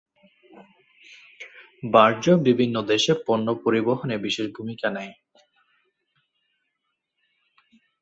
Barge বিভিন্ন দেশে পণ্য পরিবহনে বিশেষ ভূমিকা নেয়।